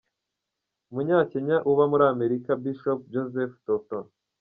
Umunyakenya uba muri Amerika Bishop Joseph Tolton.